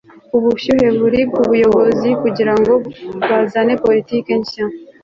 ubushyuhe buri kubuyobozi kugirango bazane politiki nshya